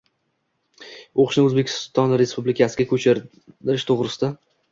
o‘qishni O‘zbekiston Respublikasiga ko‘chirish to'g‘risida.